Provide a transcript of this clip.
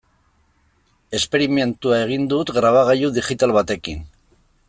Esperimentua egin dut grabagailu digital batekin.